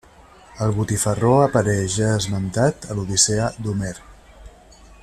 El botifarró apareix ja esmentat a l'Odissea d'Homer.